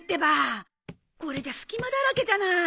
これじゃ隙間だらけじゃない。